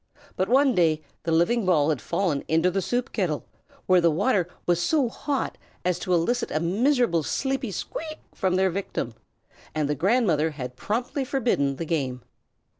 But one day the living ball had fallen into the soup kettle, where the water was so hot as to elicit a miserable sleepy squeak from the victim, and the grandmother had promptly forbidden the game.